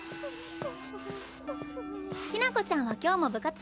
きな子ちゃんは今日も部活？